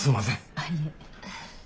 ああいえ。